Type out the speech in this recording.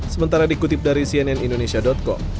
sementara dikutip dari cnn indonesia com